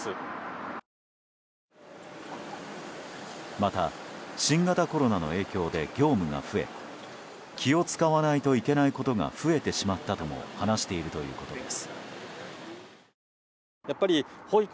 また、新型コロナの影響で業務が増え気を使わないといけないことが増えてしまったとも話しているということです。